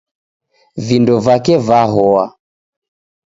Vindo vake vahoa.